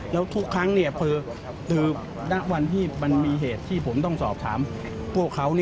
แล้วทุกครั้งคือณวันที่มันมีเหตุที่ผมต้องสอบถามพวกเขา